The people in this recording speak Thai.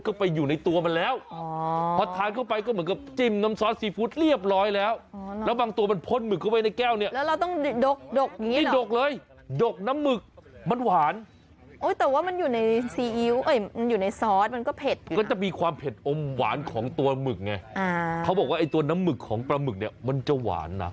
อ๋อเขากินอย่างนี้เลยดูเอา